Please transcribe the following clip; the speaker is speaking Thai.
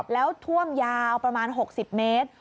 แล้วท่วมยาวประมาณ๖๐เมตร